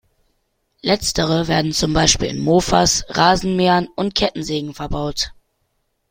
Letztere werden zum Beispiel in Mofas, Rasenmähern und Kettensägen verbaut.